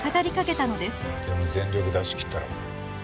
でも全力出し切ったろ？